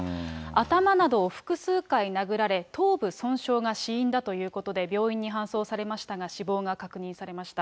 頭などを複数回殴られ、頭部損傷が死因だということで、病院に搬送されましたが、死亡が確認されました。